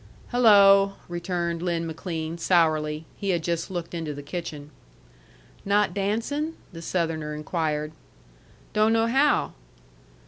"Hello!" returned Lin McLean, sourly. He had just looked into the kitchen. "Not dancin'?" the Southerner inquired. "Don't know how."